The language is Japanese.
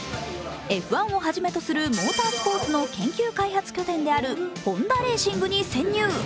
Ｆ１をはじめとするモータースポーツの研究開発拠点であるホンダ・レーシングに潜入。